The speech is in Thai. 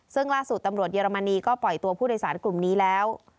ซึ่งล่าสุดตำรวจเยอรมนีก็ปล่อยตัวผู้โดยสารกลุ่มนี้แล้ว